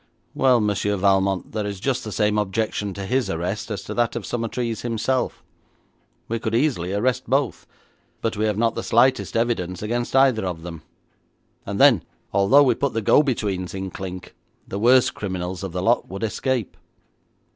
'Well, Monsieur Valmont, there is just the same objection to his arrest as to that of Summertrees himself. We could easily arrest both, but we have not the slightest evidence against either of them, and then, although we put the go betweens in clink, the worst criminals of the lot would escape.'